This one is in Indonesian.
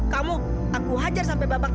kamu aku hajar sampai babak lu